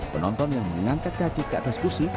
penonton yang mengangkat kaki ke atas kursi